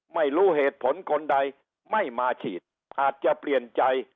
ไม่รู้เหตุผลคนใดไม่มาฉีดอาจจะเปลี่ยนใจ